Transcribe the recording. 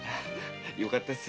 よかったす。